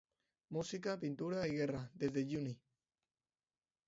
Música, pintura i guerra, des de lluny.